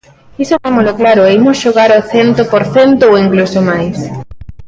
Iso témolo claro e imos xogar ao cento por cento ou incluso máis.